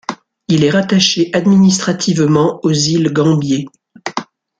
Il est rattaché administrativement aux Îles Gambier.